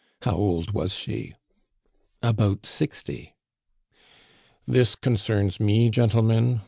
"How old was she?" "About sixty." "This concerns me, gentlemen?"